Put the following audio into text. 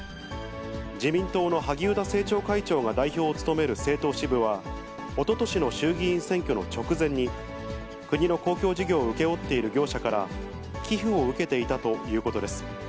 自民党の萩生田政調会長が代表を務める政党支部は、おととしの衆議院選挙の直前に、国の公共事業を請け負っている業者から寄付を受けていたということです。